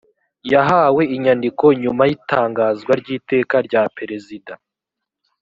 yahawe inyandiko nyuma y’itangazwa ry’iteka rya perezida